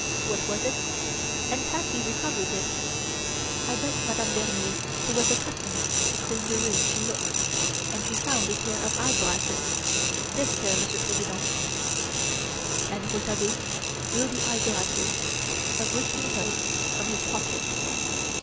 What was it? And had he recovered it? I begged Madame Bernier who was accustomed to clean the room to look, and she found a pair of eye glasses this pair, Monsieur President!" And Rouletabille drew the eye glasses, of which we know, from his pocket.